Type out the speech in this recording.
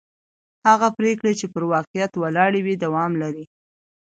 هغه پرېکړې چې پر واقعیت ولاړې وي دوام لري